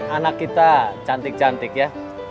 anak kita cantik cantik ya